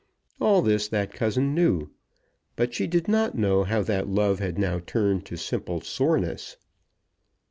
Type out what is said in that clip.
All this that cousin knew; but she did not know how that love had now turned to simple soreness.